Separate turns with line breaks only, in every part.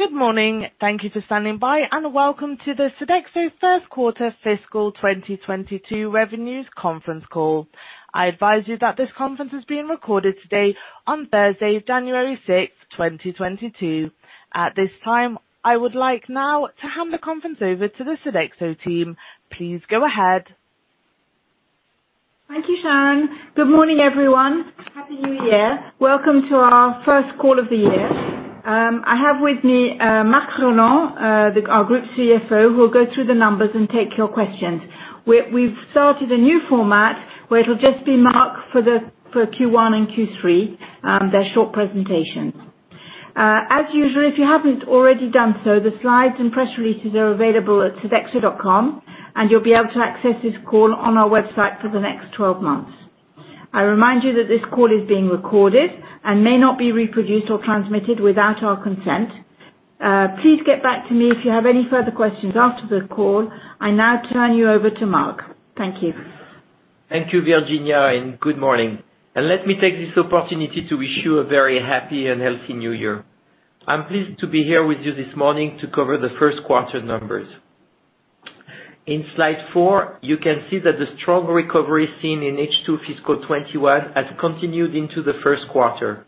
Good morning. Thank you for standing by, and welcome to the Sodexo first quarter fiscal 2022 revenues conference call. I advise you that this conference is being recorded today on Thursday, January 6, 2022. At this time, I would like now to hand the conference over to the Sodexo team. Please go ahead.
Thank you, Sharon. Good morning, everyone. Happy New Year. Welcome to our first call of the year. I have with me Marc Rolland, our Group CFO, who will go through the numbers and take your questions. We've started a new format where it will just be Marc for Q1 and Q3, their short presentations. As usual, if you haven't already done so, the slides and press releases are available at sodexo.com, and you'll be able to access this call on our website for the next 12 months. I remind you that this call is being recorded and may not be reproduced or transmitted without our consent. Please get back to me if you have any further questions after the call. I now turn you over to Marc. Thank you.
Thank you, Virginia, and good morning. Let me take this opportunity to wish you a very happy and healthy New Year. I'm pleased to be here with you this morning to cover the first quarter numbers. In slide four, you can see that the strong recovery seen in H2 fiscal 2021 has continued into the first quarter.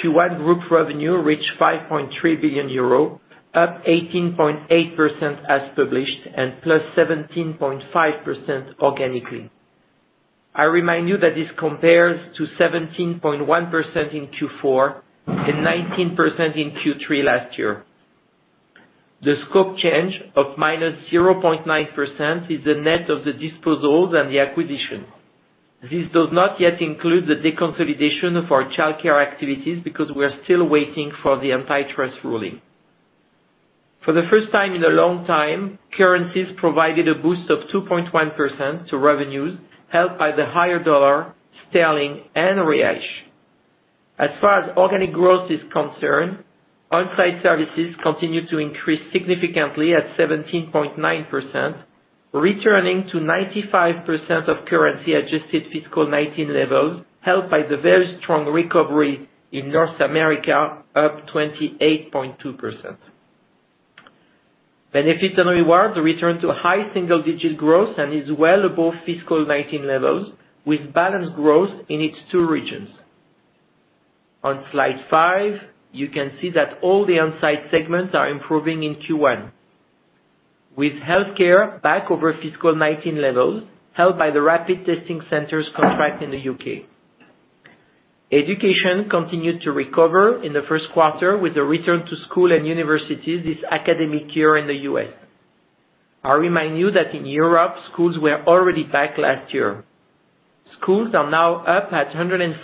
Q1 group revenue reached 5.3 billion euro, up 18.8% as published and +17.5% organically. I remind you that this compares to 17.1% in Q4 and 19% in Q3 last year. The scope change of -0.9% is the net of the disposals and the acquisition. This does not yet include the deconsolidation of our childcare activities because we are still waiting for the antitrust ruling. For the first time in a long time, currencies provided a boost of 2.1% to revenues, helped by the higher dollar, sterling, and real. As far as organic growth is concerned, on-site services continued to increase significantly at 17.9%, returning to 95% of currency-adjusted fiscal 2019 levels, helped by the very strong recovery in North America, up 28.2%. Benefits and rewards returned to a high single-digit growth and is well above fiscal 2019 levels, with balanced growth in its two regions. On slide five, you can see that all the on-site segments are improving in Q1, with healthcare back over fiscal 2019 levels, helped by the rapid testing centers contract in the U.K. Education continued to recover in the first quarter with a return to school and universities this academic year in the U.S. I remind you that in Europe, schools were already back last year. Schools are now up at 104%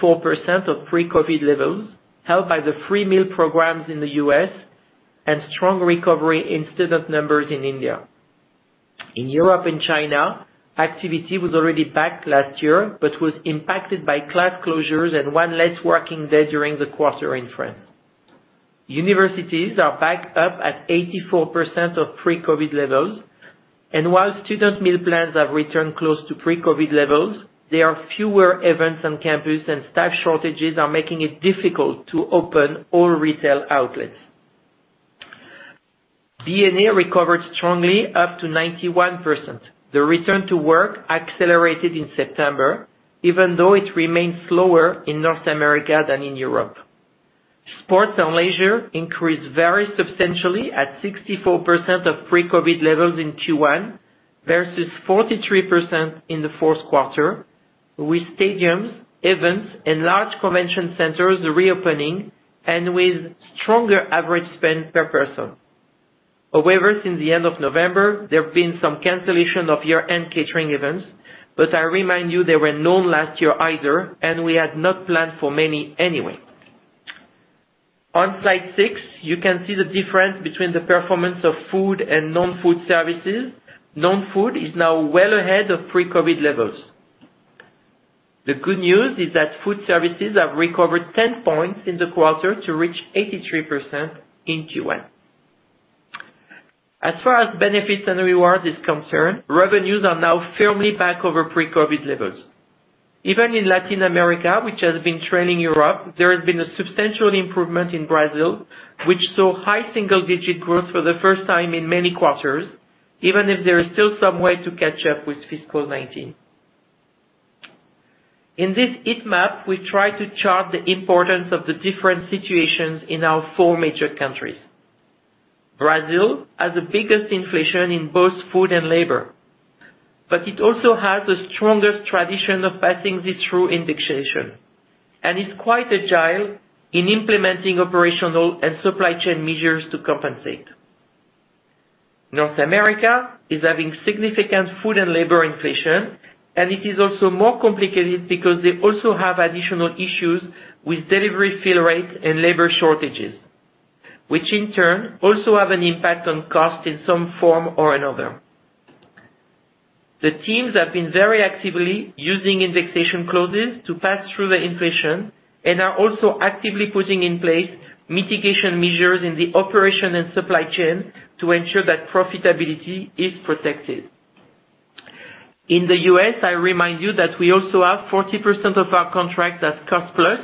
of pre-COVID levels, helped by the free meal programs in the U.S. and strong recovery in student numbers in India. In Europe and China, activity was already back last year, but was impacted by class closures and one less working day during the quarter in France. Universities are back up at 84% of pre-COVID levels, and while student meal plans have returned close to pre-COVID levels, there are fewer events on campus, and staff shortages are making it difficult to open all retail outlets. B&A recovered strongly up to 91%. The return to work accelerated in September, even though it remained slower in North America than in Europe. Sports and leisure increased very substantially at 64% of pre-COVID levels in Q1 versus 43% in the fourth quarter, with stadiums, events, and large convention centers reopening and with stronger average spend per person. However, since the end of November, there have been some cancellations of year-end catering events, but I remind you there were none last year either, and we had not planned for many anyway. On slide six, you can see the difference between the performance of food and non-food services. Non-food is now well ahead of pre-COVID levels. The good news is that food services have recovered 10 points in the quarter to reach 83% in Q1. As far as benefits and rewards is concerned, revenues are now firmly back over pre-COVID levels. Even in Latin America, which has been trailing Europe, there has been a substantial improvement in Brazil, which saw high single-digit growth for the first time in many quarters, even if there is still some way to catch up with fiscal 2019. In this heat map, we try to chart the importance of the different situations in our four major countries. Brazil has the biggest inflation in both food and labor, but it also has the strongest tradition of passing this through indexation and is quite agile in implementing operational and supply chain measures to compensate. North America is having significant food and labor inflation, and it is also more complicated because they also have additional issues with delivery fill rates and labor shortages, which in turn also have an impact on cost in some form or another. The teams have been very actively using indexation clauses to pass through the inflation and are also actively putting in place mitigation measures in the operation and supply chain to ensure that profitability is protected. In the U.S., I remind you that we also have 40% of our contracts as cost-plus,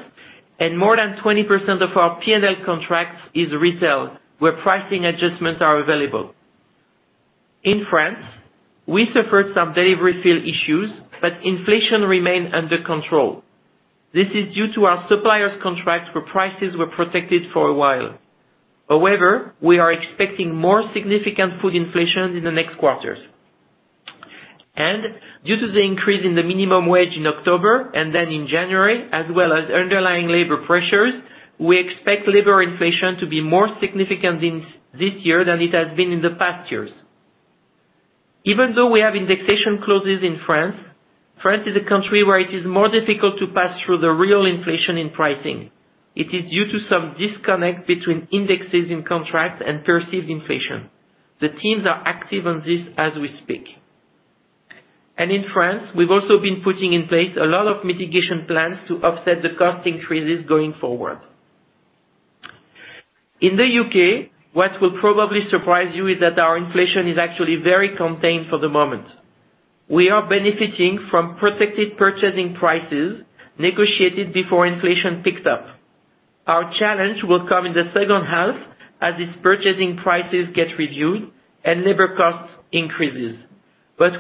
and more than 20% of our P&L contracts is retail, where pricing adjustments are available. In France, we suffered some delivery fill issues, but inflation remained under control. This is due to our suppliers contracts, where prices were protected for a while. However, we are expecting more significant food inflation in the next quarters. Due to the increase in the minimum wage in October and then in January, as well as underlying labor pressures, we expect labor inflation to be more significant in this year than it has been in the past years. Even though we have indexation clauses in France is a country where it is more difficult to pass through the real inflation in pricing. It is due to some disconnect between indexes in contracts and perceived inflation. The teams are active on this as we speak. In France, we've also been putting in place a lot of mitigation plans to offset the cost increases going forward. In the U.K., what will probably surprise you is that our inflation is actually very contained for the moment. We are benefiting from protected purchasing prices negotiated before inflation picked up. Our challenge will come in the second half as its purchasing prices get reviewed and labor cost increases.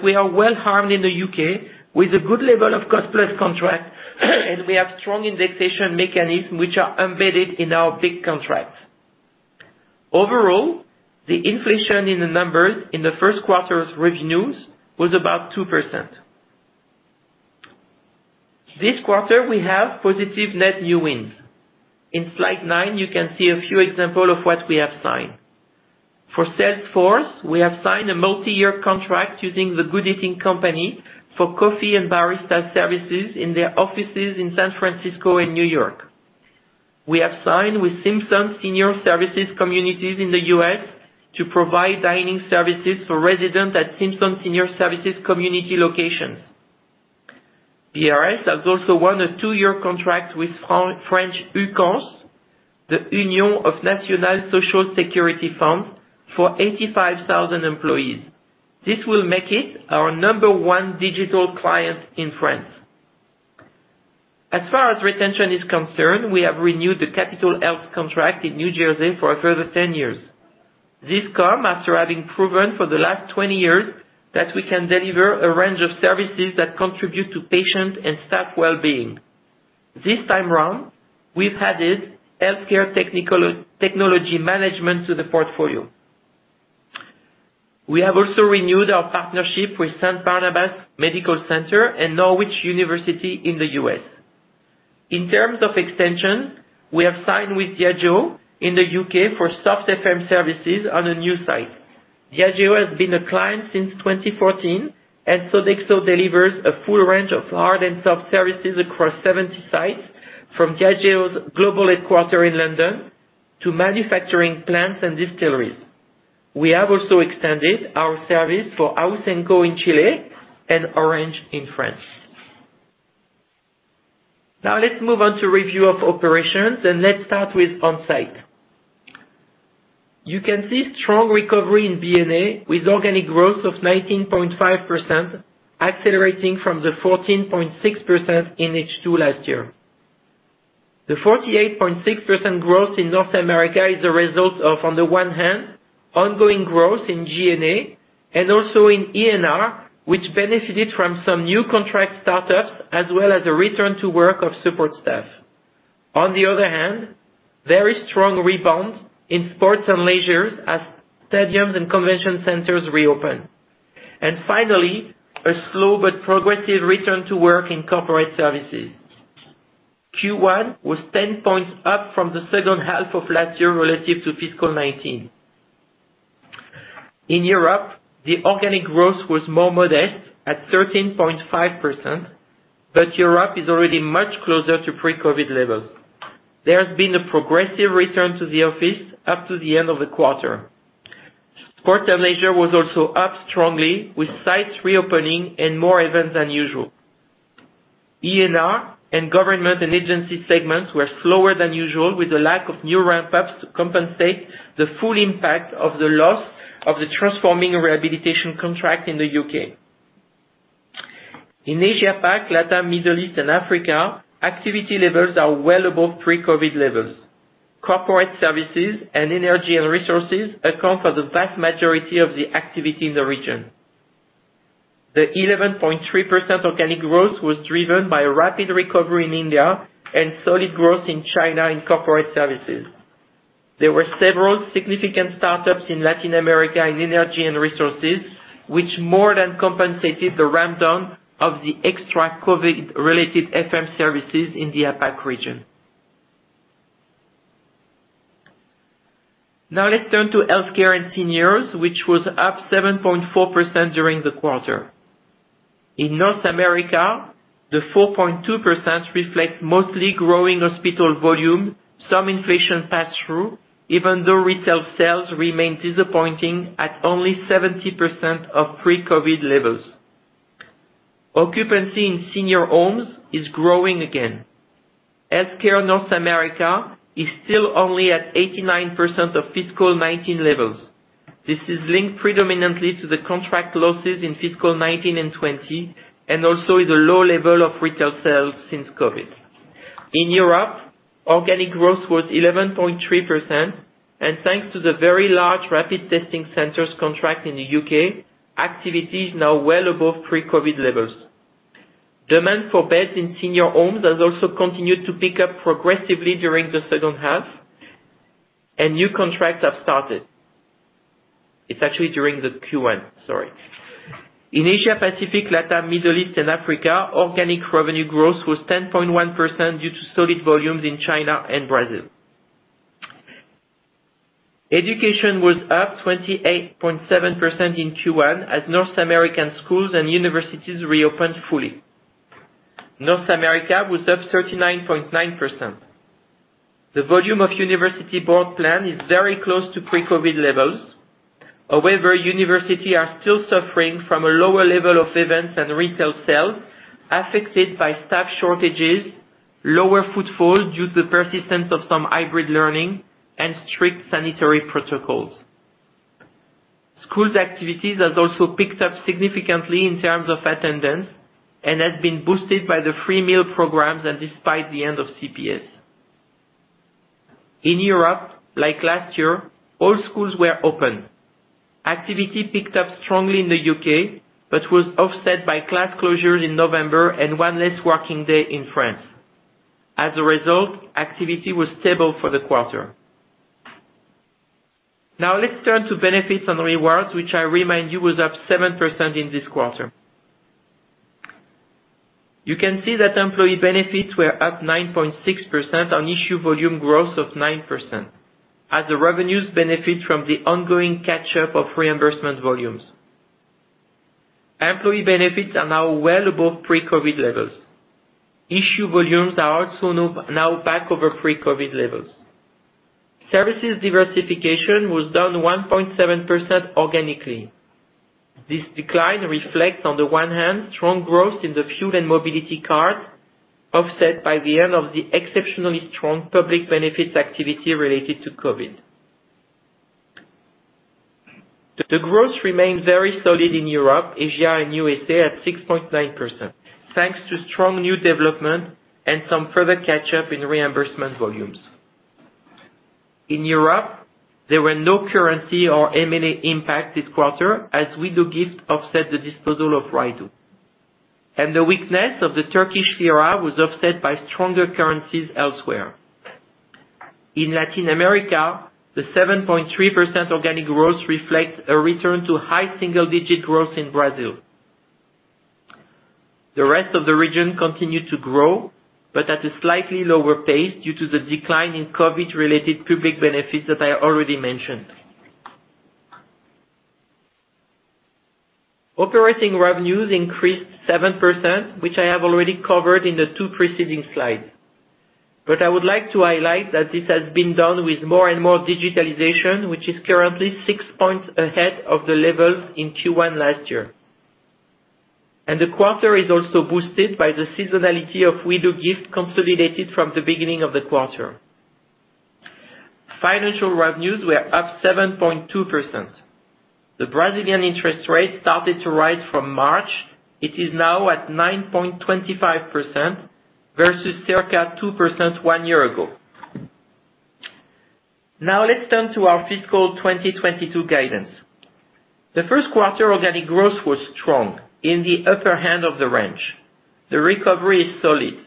We are well-armed in the U.K. with a good level of cost-plus contract, and we have strong indexation mechanism which are embedded in our big contracts. Overall, the inflation in the numbers in the first quarter's revenues was about 2%. This quarter we have positive net new wins. In slide nine, you can see a few example of what we have signed. For Salesforce, we have signed a multi-year contract using The Good Eating Company for coffee and barista services in their offices in San Francisco and New York. We have signed with Simpson Senior Services communities in the U.S. to provide dining services for residents at Simpson Senior Services community locations. BRS has also won a two-year contract with French UCANSS, the Union of National Social Security Funds, for 85,000 employees. This will make it our number one digital client in France. As far as retention is concerned, we have renewed the Capital Health contract in New Jersey for a further 10 years. This comes after having proven for the last 20 years that we can deliver a range of services that contribute to patient and staff wellbeing. This time around, we've added healthcare technology management to the portfolio. We have also renewed our partnership with Saint Barnabas Medical Center and Norwich University in the U.S. In terms of extension, we have signed with Diageo in the U.K. for soft FM services on a new site. Diageo has been a client since 2014, and Sodexo delivers a full range of hard and soft services across 70 sites, from Diageo's global headquarters in London to manufacturing plants and distilleries. We have also extended our service for Ausenco in Chile and Orange in France. Now let's move on to review of operations, and let's start with onsite. You can see strong recovery in G&A with organic growth of 19.5%, accelerating from the 14.6% in H2 last year. The 48.6% growth in North America is a result of, on the one hand, ongoing growth in G&A and also in E&R, which benefited from some new contract startups as well as a return to work of support staff. On the other hand, very strong rebound in sports and leisure as stadiums and convention centers reopen. Finally, a slow but progressive return to work in corporate services. Q1 was 10 points up from the second half of last year relative to fiscal 2019. In Europe, the organic growth was more modest at 13.5%, but Europe is already much closer to pre-COVID levels. There has been a progressive return to the office up to the end of the quarter. Sports and leisure was also up strongly with sites reopening and more events than usual. E&R and G&A segments were slower than usual with a lack of new ramp ups to compensate the full impact of the loss of the Transforming Rehabilitation contract in the U.K. In Asia, APAC, LATAM, Middle East and Africa, activity levels are well above pre-COVID levels. Corporate services and energy and resources account for the vast majority of the activity in the region. The 11.3% organic growth was driven by a rapid recovery in India and solid growth in China in corporate services. There were several significant startups in Latin America in energy and resources, which more than compensated the ramp down of the extra COVID-related FM services in the APAC region. Now let's turn to healthcare and seniors, which was up 7.4% during the quarter. In North America, the 4.2% reflect mostly growing hospital volume, some inflation pass-through, even though retail sales remain disappointing at only 70% of pre-COVID levels. Occupancy in senior homes is growing again. Healthcare North America is still only at 89% of FY 2019 levels. This is linked predominantly to the contract losses in FY 2019 and FY 2020, and also the low level of retail sales since COVID. In Europe, organic growth was 11.3%, and thanks to the very large rapid testing centers contract in the U.K., activity is now well above pre-COVID levels. Demand for beds in senior homes has also continued to pick up progressively during the second half, and new contracts have started. It's actually during the Q1, sorry. In Asia Pacific, Latin America, Middle East, and Africa, organic revenue growth was 10.1% due to solid volumes in China and Brazil. Education was up 28.7% in Q1 as North American schools and universities reopened fully. North America was up 39.9%. The volume of university board plan is very close to pre-COVID levels. However, university are still suffering from a lower level of events and retail sales affected by staff shortages, lower footfall due to the persistence of some hybrid learning and strict sanitary protocols. Schools activities has also picked up significantly in terms of attendance and has been boosted by the free meal programs and despite the end of CEP. In Europe, like last year, all schools were open. Activity picked up strongly in the U.K., but was offset by class closures in November and one less working day in France. As a result, activity was stable for the quarter. Now let's turn to benefits and rewards, which I remind you was up 7% in this quarter. You can see that employee benefits were up 9.6% on issue volume growth of 9% as the revenues benefit from the ongoing catch-up of reimbursement volumes. Employee benefits are now well above pre-COVID levels. Issue volumes are also now back over pre-COVID levels. Services diversification was down 1.7% organically. This decline reflects, on the one hand, strong growth in the fuel and mobility card, offset by the end of the exceptionally strong public benefits activity related to COVID. The growth remained very solid in Europe, Asia, and USA at 6.9%, thanks to strong new development and some further catch-up in reimbursement volumes. In Europe, there were no currency or M&A impact this quarter as Wedoogift offset the disposal of Rydoo, and the weakness of the Turkish lira was offset by stronger currencies elsewhere. In Latin America, the 7.3% organic growth reflects a return to high single digit growth in Brazil. The rest of the region continued to grow, but at a slightly lower pace due to the decline in COVID related public benefits that I already mentioned. Operating revenues increased 7%, which I have already covered in the two preceding slides. I would like to highlight that this has been done with more and more digitalization, which is currently 6 points ahead of the levels in Q1 last year. The quarter is also boosted by the seasonality of Wedoogift consolidated from the beginning of the quarter. Financial revenues were up 7.2%. The Brazilian interest rate started to rise from March. It is now at 9.25% versus circa 2% one year ago. Now let's turn to our FY 2022 guidance. The first quarter organic growth was strong in the upper end of the range. The recovery is solid.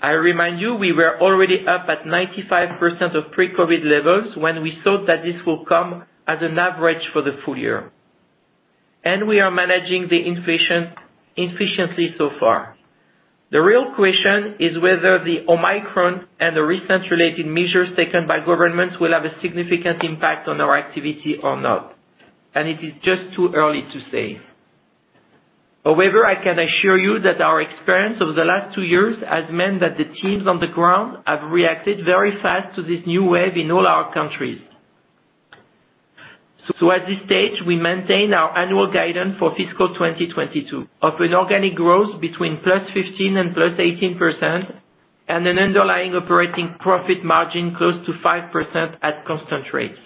I remind you, we were already up at 95% of pre-COVID levels when we thought that this will come as an average for the full year. We are managing the inflation efficiently so far. The real question is whether the Omicron and the recent related measures taken by governments will have a significant impact on our activity or not. It is just too early to say. However, I can assure you that our experience over the last two years has meant that the teams on the ground have reacted very fast to this new wave in all our countries. At this stage, we maintain our annual guidance for fiscal 2022 of an organic growth between +15% and +18% and an underlying operating profit margin close to 5% at constant rates.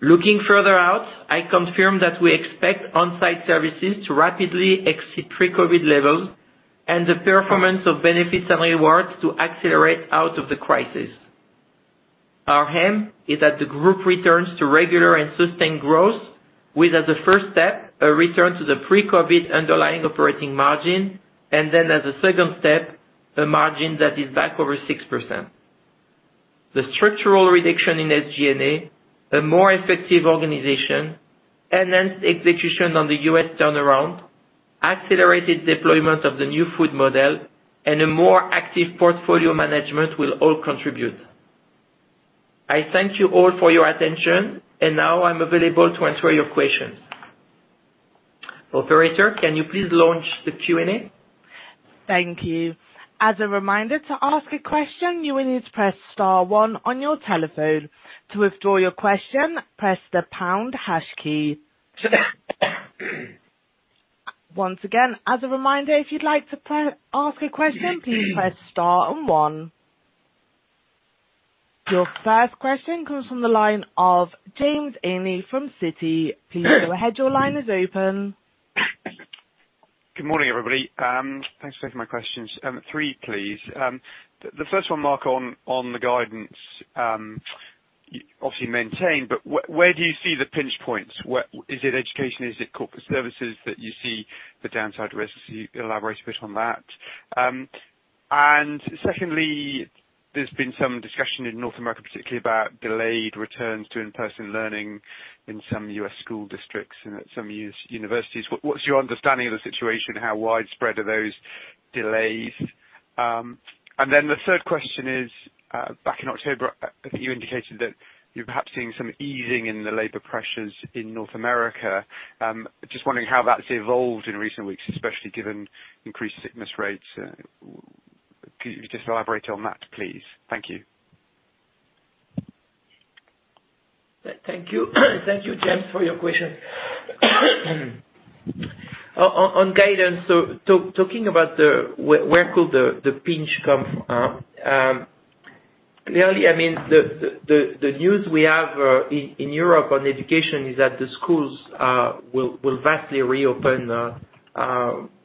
Looking further out, I confirm that we expect on-site services to rapidly exceed pre-COVID levels and the performance of benefits and rewards to accelerate out of the crisis. Our aim is that the group returns to regular and sustained growth with, as a first step, a return to the pre-COVID underlying operating margin, and then as a second step, a margin that is back over 6%. The structural reduction in SG&A, a more effective organization, enhanced execution on the U.S. turnaround, accelerated deployment of the new food model, and a more active portfolio management will all contribute. I thank you all for your attention, and now I'm available to answer your questions. Operator, can you please launch the Q&A?
Thank you. As a reminder, to ask a question, you will need to press star one on your telephone. To withdraw your question, press the pound hash key. Once again, as a reminder, if you'd like to ask a question, please press star and one. Your first question comes from the line ofJames Ainley from Citi. Please go ahead. Your line is open.
Good morning, everybody. Thanks for taking my questions. Three, please. The first one, Marc, on the guidance, obviously maintained, but where do you see the pinch points? Where is it education? Is it corporate services that you see the downside risks? Can you elaborate a bit on that? Secondly, there's been some discussion in North America particularly about delayed returns to in-person learning in some U.S. school districts and at some universities. What's your understanding of the situation? How widespread are those delays? Then the third question is, back in October, I think you indicated that you're perhaps seeing some easing in the labor pressures in North America. Just wondering how that's evolved in recent weeks, especially given increased sickness rates. Could you just elaborate on that, please? Thank you.
Thank you. Thank you, James, for your question. On guidance, talking about where could the pinch come, clearly, I mean, the news we have in Europe on education is that the schools will vastly reopen.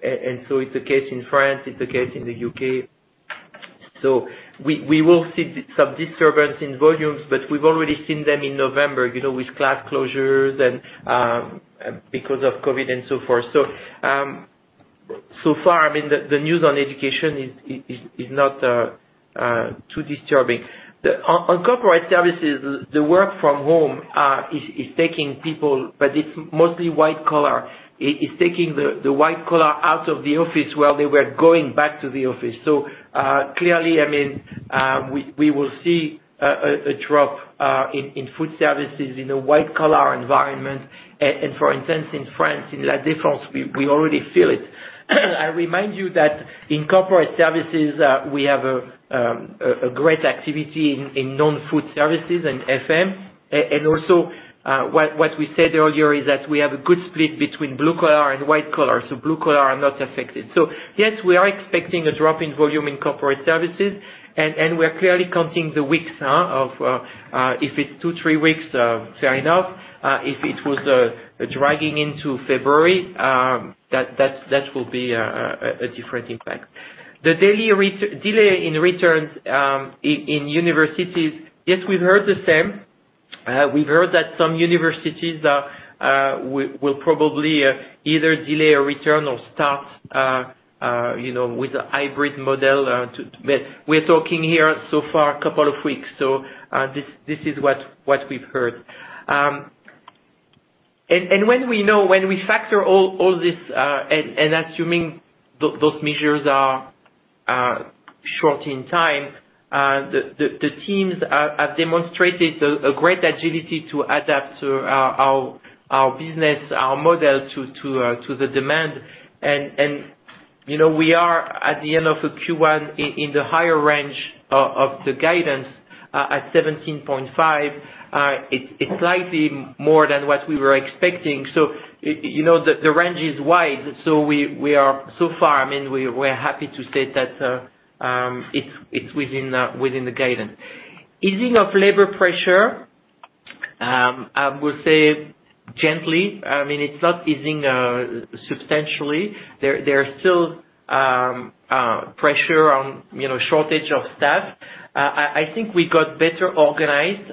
It's the case in France, it's the case in the U.K. We will see some disturbance in volumes, but we've already seen them in November, you know, with class closures and because of COVID and so forth. So far, I mean, the news on education is not too disturbing. On corporate services, the work from home is taking people, but it's mostly white collar. It's taking the white collar out of the office where they were going back to the office. Clearly, I mean, we will see a drop in food services in a white collar environment. For instance, in France, in La Défense, we already feel it. I remind you that in corporate services, we have a great activity in non-food services and FM. Also, what we said earlier is that we have a good split between blue collar and white collar, so blue collar are not affected. Yes, we are expecting a drop in volume in corporate services. We're clearly counting the weeks of if it's two, three weeks, fair enough. If it was dragging into February, that will be a different impact. The daily return delay in returns in universities, yes, we've heard the same. We've heard that some universities will probably either delay a return or start you know with a hybrid model. We're talking here so far a couple of weeks so this is what we've heard. When we factor all this and assuming those measures are short in time the teams have demonstrated a great agility to adapt our business model to the demand. You know we are at the end of a Q1 in the higher range of the guidance at 17.5%. It's slightly more than what we were expecting. You know, the range is wide, so we are so far. I mean, we're happy to say that it's within the guidance. Easing of labor pressure, I would say gently. I mean, it's not easing substantially. There are still pressure on, you know, shortage of staff. I think we got better organized.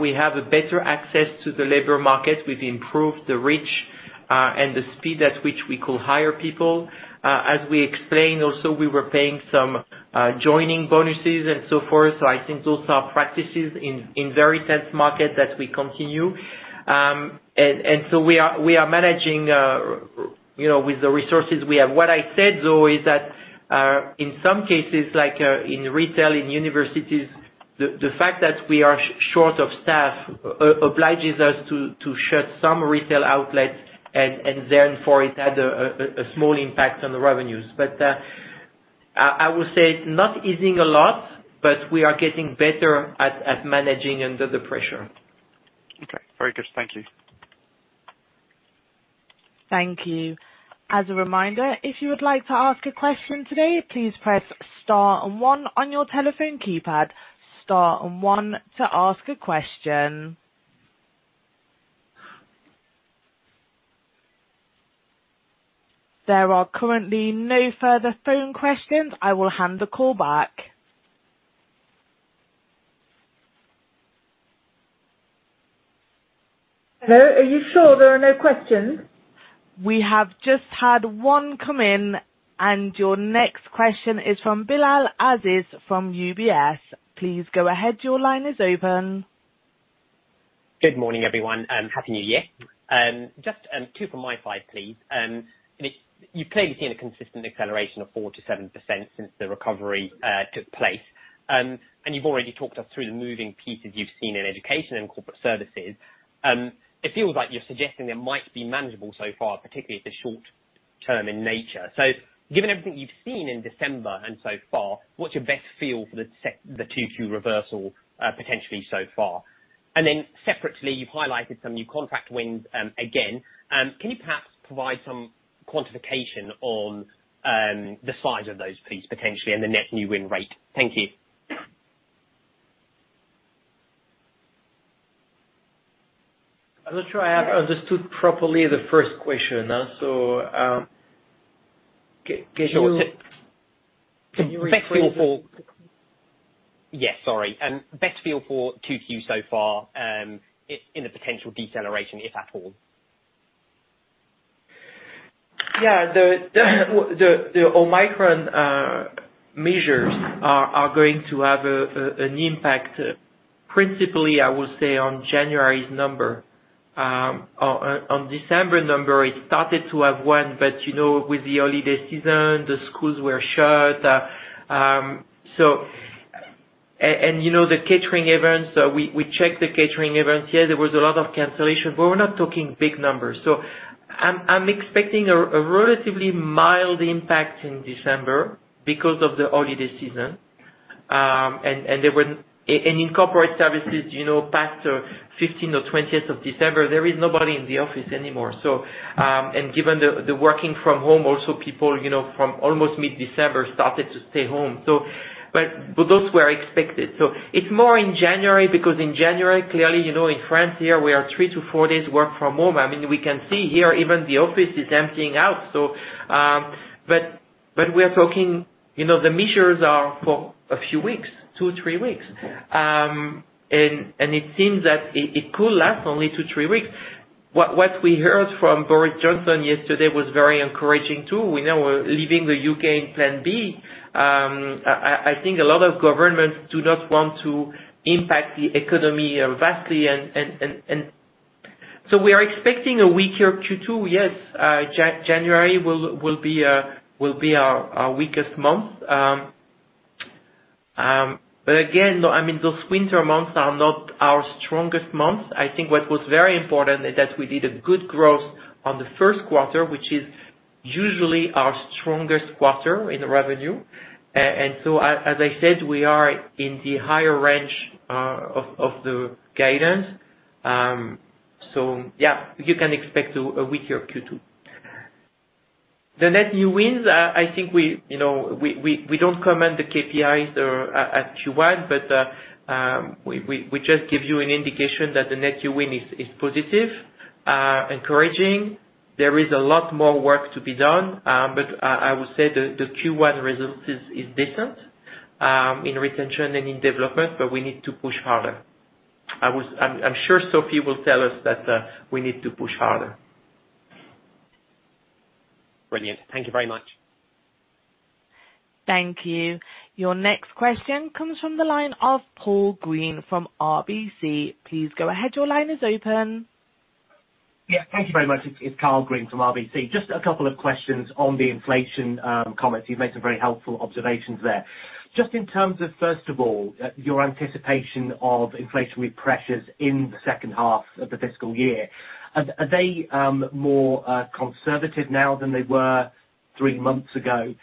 We have a better access to the labor market. We've improved the reach and the speed at which we could hire people. As we explained also, we were paying some joining bonuses and so forth, so I think those are practices in very tight market that we continue. We are managing, you know, with the resources we have. What I said, though, is that in some cases, like, in retail, in universities, the fact that we are short of staff obliges us to shut some retail outlets and therefore it had a small impact on the revenues. I would say it's not easing a lot, but we are getting better at managing under the pressure.
Okay. Very good. Thank you.
Thank you. As a reminder, if you would like to ask a question today, please press star and one on your telephone keypad. Star and one to ask a question. There are currently no further phone questions. I will hand the call back.
Hello, are you sure there are no questions?
We have just had one come in, and your next question is from Bilal Aziz from UBS. Please go ahead. Your line is open.
Good morning, everyone, and Happy New Year. Just two from my side, please. You've clearly seen a consistent acceleration of 4%-7% since the recovery took place. You've already talked us through the moving pieces you've seen in education and corporate services. It feels like you're suggesting it might be manageable so far, particularly if it's short-term in nature. Given everything you've seen in December and so far, what's your best feel for the Q2 reversal, potentially so far? Separately, you've highlighted some new contract wins, again. Can you perhaps provide some quantification on the size of those fees potentially and the net new win rate? Thank you.
I'm not sure I have understood properly the first question. Can you?
Sure.
Can you rephrase it?
Best feel for Q2 so far in a potential deceleration, if at all?
Yeah. The Omicron measures are going to have an impact, principally, I would say, on January's number. On December number, it started to have one, but you know, with the holiday season, the schools were shut. You know, the catering events, we checked the catering events. Yeah, there was a lot of cancellation, but we're not talking big numbers. I'm expecting a relatively mild impact in December because of the holiday season. In corporate services, you know, past the 15th or 20th of December, there is nobody in the office anymore. Given the working from home also, people, you know, from almost mid-December started to stay home. But those were expected. It's more in January, because in January, clearly, in France here we are three to four days work from home. I mean, we can see here even the office is emptying out. We're talking, the measures are for a few weeks, two, three weeks. It seems that it could last only two to three weeks. What we heard from Boris Johnson yesterday was very encouraging too. We know we're leaving the U.K. in Plan B. I think a lot of governments do not want to impact the economy vastly. We are expecting a weaker Q2. Yes. January will be our weakest month. Again, I mean, those winter months are not our strongest months. I think what was very important is that we did a good growth on the first quarter, which is usually our strongest quarter in revenue. As I said, we are in the higher range of the guidance. Yeah, you can expect a weaker Q2. The net new wins, I think we, you know, we don't comment the KPIs or at Q1, but we just give you an indication that the net new win is positive, encouraging. There is a lot more work to be done. I would say the Q1 results is decent in retention and in development, but we need to push harder. I'm sure Sophie will tell us that we need to push harder.
Brilliant. Thank you very much.
Thank you. Your next question comes from the line of Karl Green from RBC. Please go ahead. Your line is open.
Yeah, thank you very much. It's Karl Green from RBC. Just a couple of questions on the inflation comments. You've made some very helpful observations there. Just in terms of, first of all, your anticipation of inflationary pressures in the second half of the fiscal year. Are they more conservative now than they were three months ago?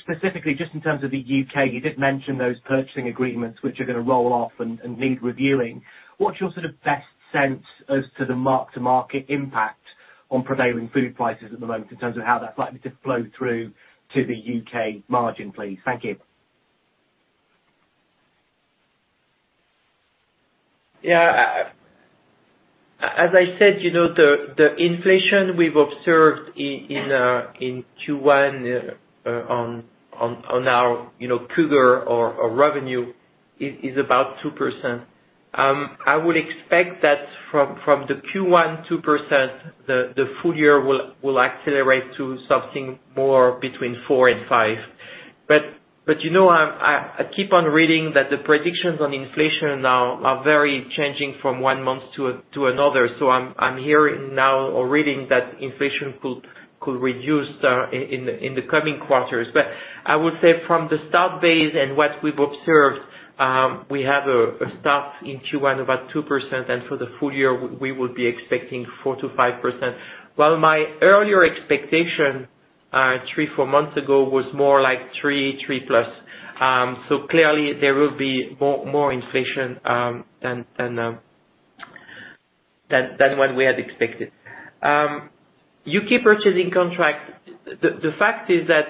Specifically just in terms of the U.K., you did mention those purchasing agreements which are gonna roll off and need reviewing. What's your sort of best sense as to the mark-to-market impact on prevailing food prices at the moment in terms of how that's likely to flow through to the U.K. margin, please? Thank you.
As I said, you know, the inflation we've observed in Q1 on our CAGR or revenue is about 2%. I would expect that from the Q1 2%, the full year will accelerate to something more between 4% and 5%. You know, I keep on reading that the predictions on inflation are very changing from one month to another. I'm hearing now or reading that inflation could reduce in the coming quarters. I would say from the start base and what we've observed, we have a start in Q1 about 2%, and for the full year we would be expecting 4%-5%. While my earlier expectation three to four months ago was more like three plus. Clearly there will be more inflation than what we had expected. UK purchasing contracts. The fact is that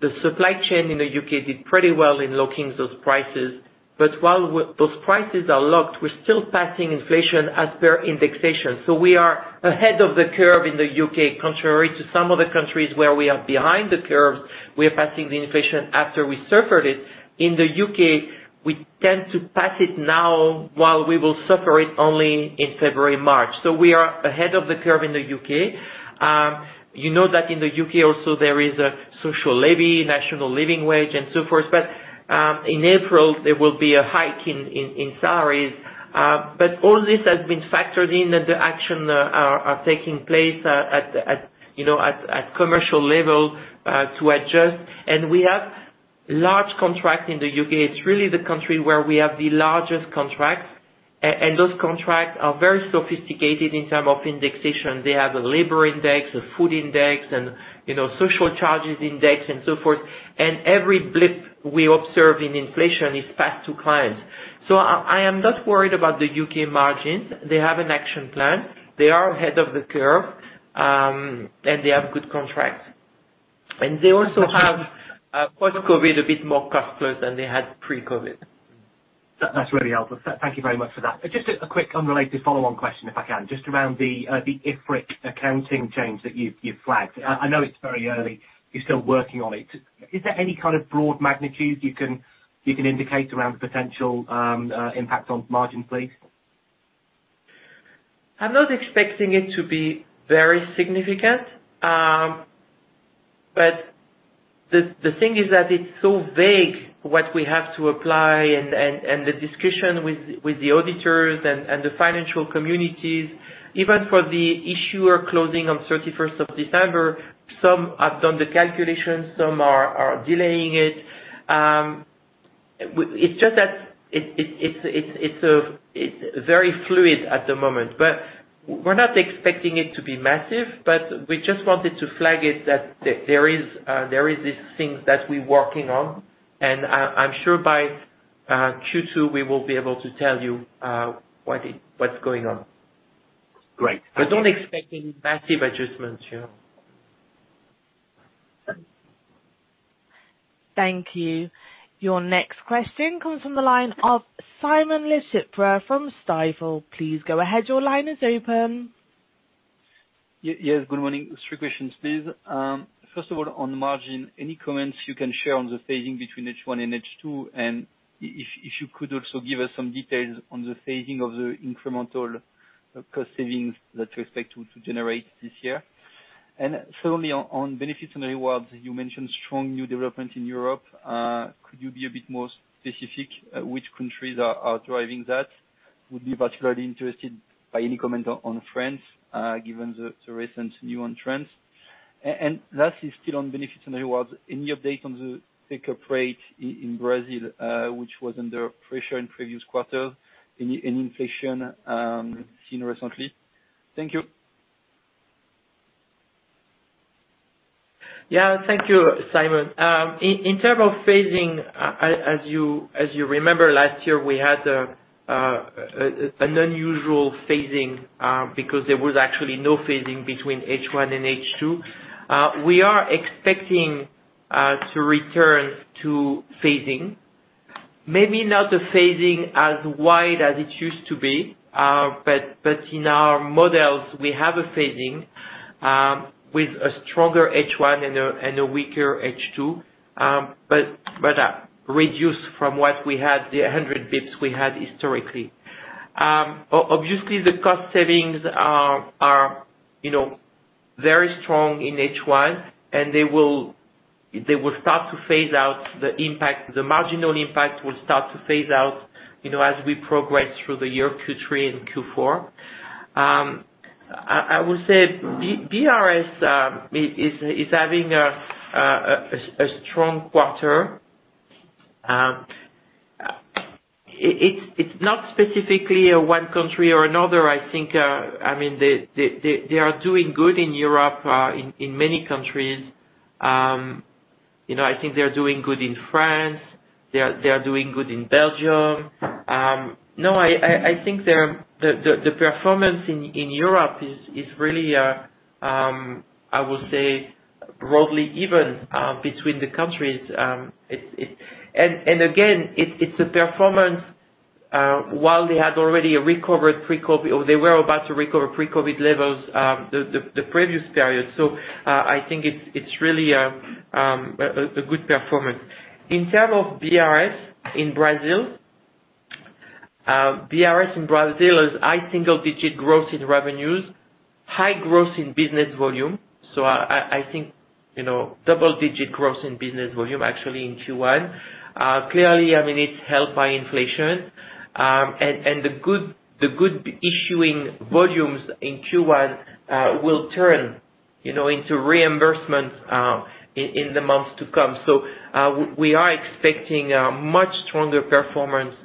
the supply chain in the U.K. did pretty well in locking those prices. While those prices are locked, we're still passing inflation as per indexation. We are ahead of the curve in the U.K., contrary to some other countries where we are behind the curves, we are passing the inflation after we suffered it. In the U.K., we tend to pass it now while we will suffer it only in February, March. We are ahead of the curve in the U.K. You know that in the U.K. also there is a social levy, National Living Wage and so forth. In April, there will be a hike in salaries. All this has been factored in and the actions are taking place at you know at commercial level to adjust. We have large contracts in the U.K. It's really the country where we have the largest contracts. Those contracts are very sophisticated in terms of indexation. They have a labor index, a food index, and you know social charges index and so forth. Every blip we observe in inflation is passed to clients. I am not worried about the U.K. margins. They have an action plan. They are ahead of the curve, and they have good contracts. They also have post-COVID a bit more customers than they had pre-COVID.
That's really helpful. Thank you very much for that. Just a quick unrelated follow-on question, if I can, just around the IFRIC accounting change that you flagged. I know it's very early, you're still working on it. Is there any kind of broad magnitude you can indicate around the potential impact on margin, please?
I'm not expecting it to be very significant. The thing is that it's so vague what we have to apply and the discussion with the auditors and the financial communities, even for the year-end closing on thirty-first of December, some have done the calculations, some are delaying it. It's just that it's very fluid at the moment. We're not expecting it to be massive, but we just wanted to flag it that there is these things that we're working on. I'm sure by Q2, we will be able to tell you what's going on.
Great.
Don't expect any massive adjustments, you know.
Thank you. Your next question comes from the line of Simon Lechipre from Stifel. Please go ahead. Your line is open.
Yes, good morning. Three questions, please. First of all, on margin, any comments you can share on the phasing between H1 and H2, and if you could also give us some details on the phasing of the incremental cost savings that you expect to generate this year. Thirdly, on benefits and rewards, you mentioned strong new development in Europe. Could you be a bit more specific which countries are driving that? Would be particularly interested by any comment on France, given the recent news on trends. Lastly, still on benefits and rewards, any update on the take-up rate in Brazil, which was under pressure in previous quarter in inflation seen recently? Thank you.
Yeah. Thank you, Simon. In terms of phasing, as you remember, last year, we had an unusual phasing because there was actually no phasing between H1 and H2. We are expecting to return to phasing. Maybe not a phasing as wide as it used to be, but in our models, we have a phasing with a stronger H1 and a weaker H2. Reduced from what we had, the 100 basis points we had historically. Obviously, the cost savings are, you know, very strong in H1, and they will start to phase out the impact. The marginal impact will start to phase out, you know, as we progress through the year, Q3 and Q4. I would say BRS is having a strong quarter. It's not specifically one country or another. I think, I mean, they are doing good in Europe, in many countries. You know, I think they are doing good in France. They are doing good in Belgium. No, I think their performance in Europe is really, I will say broadly even, between the countries. It's a performance while they had already recovered pre-COVID or they were about to recover pre-COVID levels, the previous period. I think it's really, a good performance. In terms of BRS in Brazil, BRS in Brazil is high single digit growth in revenues, high growth in business volume. I think, you know, double-digit growth in business volume actually in Q1. Clearly, I mean, it's helped by inflation. The good issuing volumes in Q1 will turn, you know, into reimbursement in the months to come. We are expecting a much stronger performance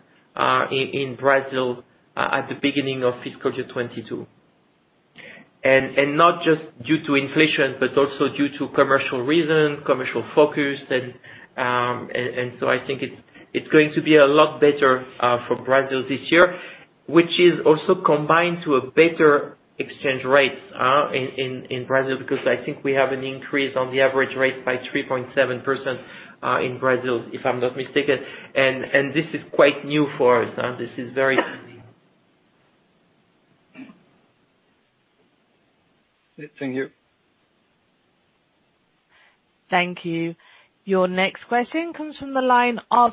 in Brazil at the beginning of fiscal year 2022. Not just due to inflation, but also due to commercial reasons, commercial focus and so I think it's going to be a lot better for Brazil this year, which is also combined to a better exchange rates in Brazil, because I think we have an increase on the average rate by 3.7% in Brazil, if I'm not mistaken. This is quite new for us. This is very new.
Thank you.
Thank you. Your next question comes from the line of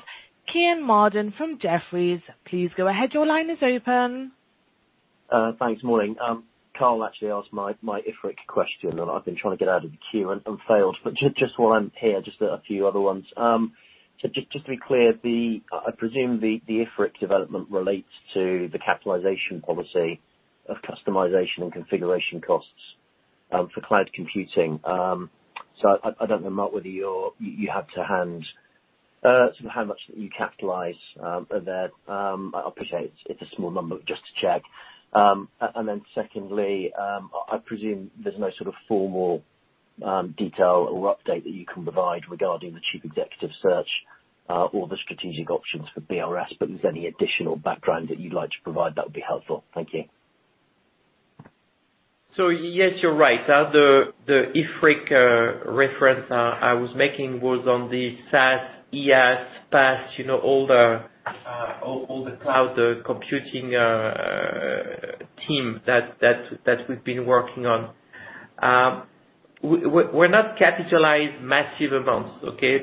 Kean Marden from Jefferies. Please go ahead. Your line is open.
Thanks, morning. Karl actually asked my IFRIC question, and I've been trying to get out of the queue and failed. Just while I'm here, just a few other ones. Just to be clear, I presume the IFRIC development relates to the capitalization policy of customization and configuration costs for cloud computing. I don't know, Marc, whether you have to hand sort of how much you capitalize there. I appreciate it's a small number, but just to check. Secondly, I presume there's no sort of formal Any detail or update that you can provide regarding the chief executive search, or the strategic options for BRS. If there's any additional background that you'd like to provide, that would be helpful. Thank you.
Yes, you're right. The IFRIC reference I was making was on the SaaS, IaaS, PaaS, you know, all the cloud computing terms that we've been working on. We're not capitalizing massive amounts, okay?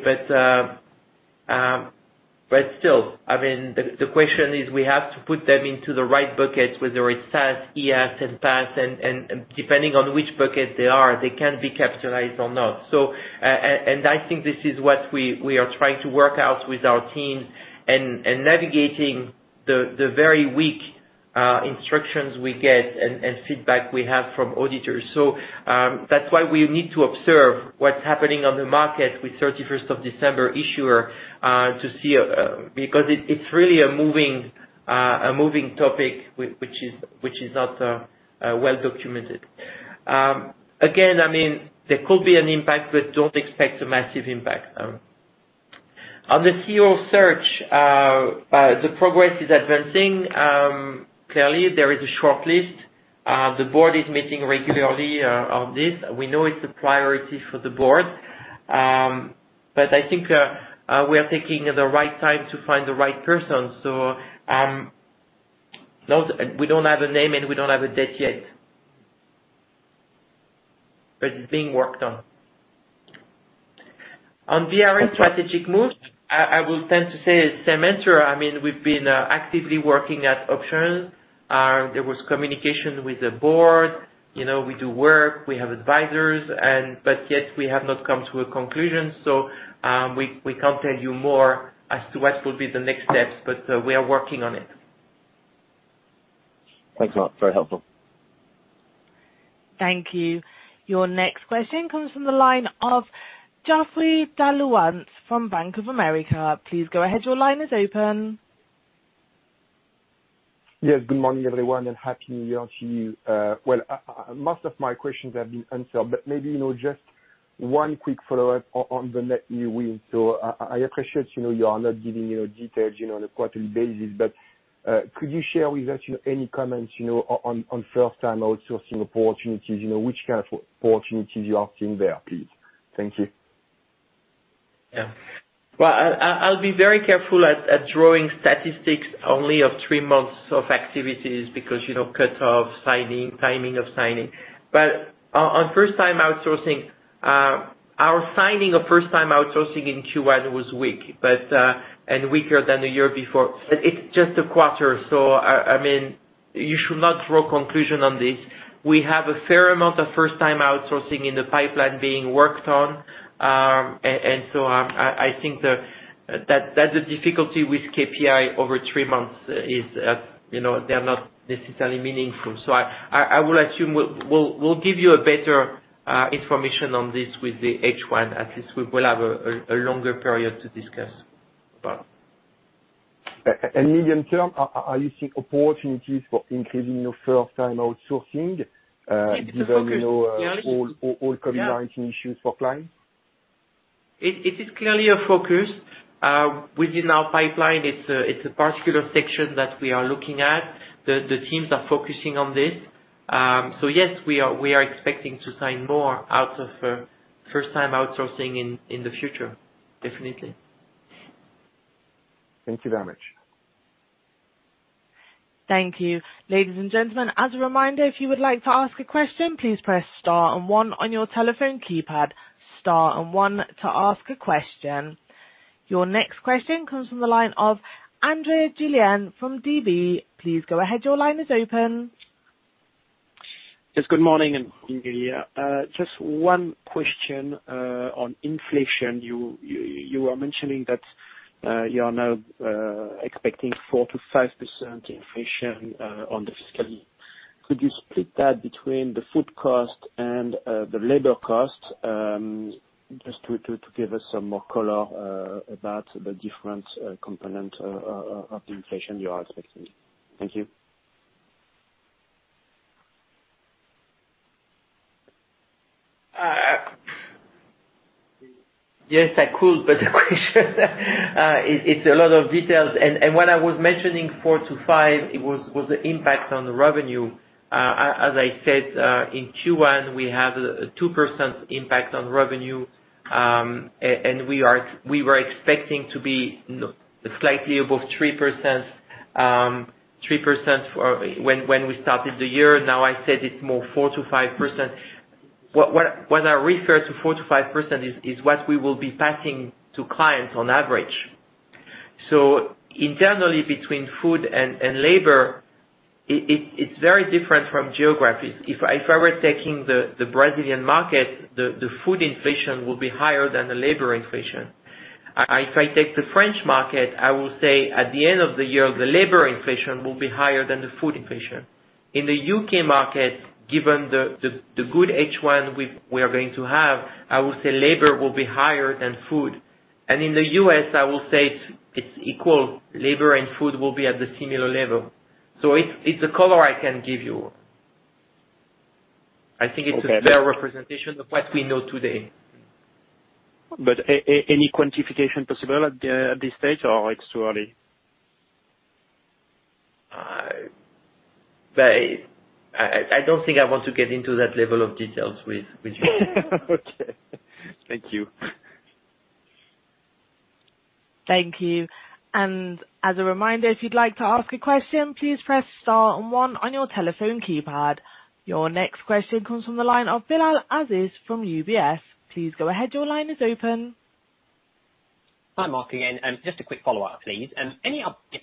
Still, I mean, the question is we have to put them into the right bucket, whether it's SaaS, IaaS and PaaS and depending on which bucket they are, they can be capitalized or not. I think this is what we are trying to work out with our teams and navigating the very vague instructions we get and feedback we have from auditors. That's why we need to observe what's happening on the market with 31st of December issue to see, because it's really a moving topic which is not well documented. Again, I mean, there could be an impact, but don't expect a massive impact. On the CEO search, the progress is advancing. Clearly there is a shortlist. The board is meeting regularly on this. We know it's a priority for the board. I think we are taking the right time to find the right person. No, we don't have a name, and we don't have a date yet. It's being worked on. On BRS strategic moves, I will tend to say same answer. I mean, we've been actively working at options. There was communication with the board. You know, we do work, we have advisors and but yet we have not come to a conclusion. We can't tell you more as to what will be the next steps, but we are working on it.
Thanks, Marc. Very helpful.
Thank you. Your next question comes from the line of Geoffrey d'Halluin from Bank of America. Please go ahead. Your line is open.
Yes. Good morning, everyone, and happy New Year to you. Most of my questions have been answered, but maybe, you know, just one quick follow-up on the net new win. I appreciate, you know, you are not giving, you know, details, you know, on a quarterly basis. Could you share with us, you know, any comments you know, on first time outsourcing opportunities, you know, which kind of opportunities you are seeing there, please? Thank you.
Well, I'll be very careful at drawing statistics only of three months of activities because, you know, cut-off signing, timing of signing. On first time outsourcing, our signing of first time outsourcing in Q1 was weak but weaker than the year before. It's just a quarter. I mean, you should not draw conclusions on this. We have a fair amount of first time outsourcing in the pipeline being worked on. I think that's the difficulty with KPI over three months is, you know, they're not necessarily meaningful. I will assume we'll give you better information on this with the H1. At least we will have a longer period to discuss.
Medium term, are you seeing opportunities for increasing your first time outsourcing, even, you know, all COVID-19 issues for clients?
It is clearly a focus. Within our pipeline, it's a particular section that we are looking at. The teams are focusing on this. Yes, we are expecting to sign more out of first time outsourcing in the future. Definitely.
Thank you very much.
Thank you. Ladies and gentlemen, as a reminder, if you would like to ask a question, please press star and one on your telephone keypad. Star and one to ask a question. Your next question comes from the line of André Juillard from DB. Please go ahead. Your line is open.
Yes, good morning and happy New Year. Just one question on inflation. You are mentioning that you are now expecting 4%-5% inflation on the fiscal year. Could you split that between the food cost and the labor cost? Just to give us some more color about the different component of the inflation you are expecting. Thank you.
Yes, I could, but it's a lot of details. When I was mentioning 4-5%, it was the impact on the revenue. As I said, in Q1, we have 2% impact on revenue. We were expecting to be slightly above 3%, 3% when we started the year. Now I said it's more 4%-5%. When I refer to 4%-5% is what we will be passing to clients on average. Internally, between food and labor, it's very different from geographies. If I were taking the Brazilian market, the food inflation will be higher than the labor inflation. If I take the French market, I will say at the end of the year, the labor inflation will be higher than the food inflation. In the U.K. market, given the good H1 we are going to have, I would say labor will be higher than food. In the U.S., I will say it's equal. Labor and food will be at the similar level. It's a color I can give you. I think it's,
Okay.
A fair representation of what we know today.
Any quantification possible at this stage, or it's too early?
I don't think I want to get into that level of details with you.
Okay. Thank you.
Thank you. As a reminder, if you'd like to ask a question, please press star and one on your telephone keypad. Your next question comes from the line of Bilal Aziz from UBS. Please go ahead. Your line is open.
Hi, Marc, again. Just a quick follow-up, please. Any update,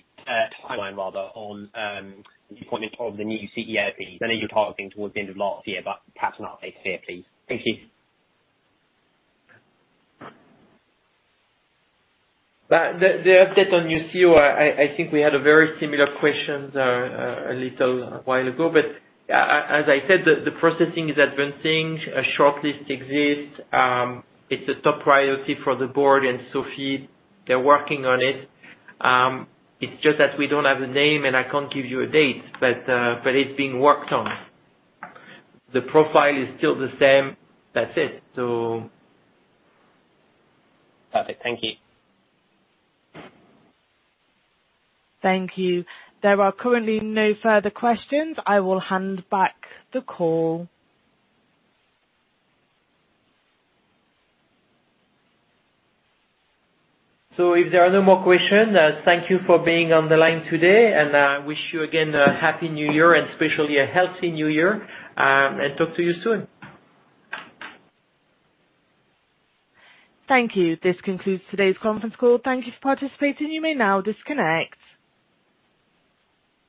timeline rather, on the appointment of the new CEO, please? I know you're targeting towards the end of last year, but perhaps an update there, please. Thank you.
The update on new CEO, I think we had a very similar question a little while ago. As I said, the processing is advancing. A shortlist exists. It's a top priority for the board and Sophie. They're working on it. It's just that we don't have a name, and I can't give you a date, but it's being worked on. The profile is still the same. That's it.
Perfect. Thank you.
Thank you. There are currently no further questions. I will hand back the call.
If there are no more questions, thank you for being on the line today, and I wish you, again, a Happy New Year and especially a healthy new year, and talk to you soon.
Thank you. This concludes today's conference call. Thank you for participating. You may now disconnect.